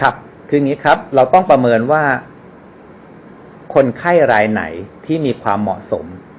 ครับคืออย่างนี้ครับเราต้องประเมินว่าคนไข้รายไหนที่มีความเหมาะสม